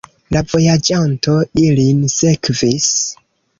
La vojaĝanto ilin sekvis.